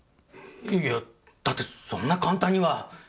いやだってそんな簡単には。